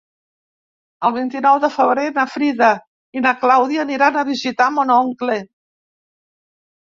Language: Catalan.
El vint-i-nou de febrer na Frida i na Clàudia aniran a visitar mon oncle.